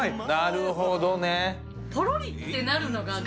なるほどね。